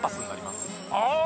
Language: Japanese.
ああ！